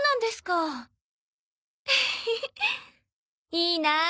いいなあ